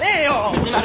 藤丸！